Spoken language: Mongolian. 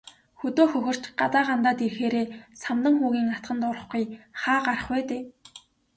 Хөдөө хөхөрч, гадаа гандаад ирэхээрээ Самдан хүүгийн атгад орохгүй хаа гарах вэ дээ.